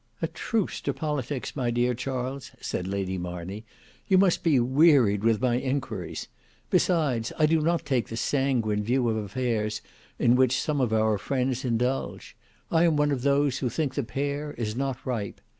"A truce to politics, my dear Charles," said Lady Marney; "you must be wearied with my inquiries. Besides, I do not take the sanguine view of affairs in which some of our friends indulge. I am one of those who think the pear is not ripe.